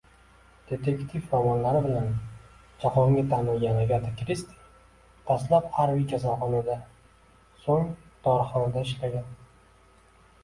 Dedektiv romanlari bilan jahonga tanilgan Agata Kristi dastlab harbiy kasalxonada, so‘ng dorixonada ishlagan